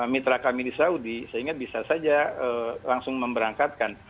mitra kami di saudi sehingga bisa saja langsung memberangkatkan